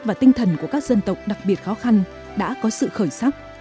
và tinh thần của các dân tộc đặc biệt khó khăn đã có sự khởi sắc